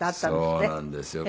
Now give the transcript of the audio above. そうなんですよ。